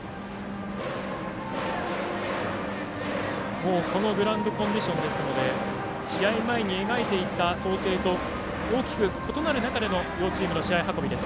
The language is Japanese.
もう、このグラウンドコンディションなので試合の前に描いていた想定と大きく異なる中での両チームの試合運びです。